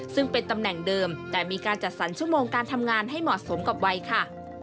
ซึ่งเป็นตำแหน่งเดิมแต่มีการจัดสรรชั่วโมงการทำงานให้เหมาะสมกับวัยค่ะ